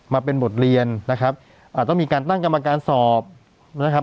มาเป็นบทเรียนนะครับอ่าต้องมีการตั้งกรรมการสอบนะครับ